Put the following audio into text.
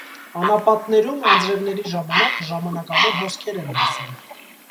Անապատներում, անձրևների ժամանակ, ժամանակավոր հոսքեր են հոսում։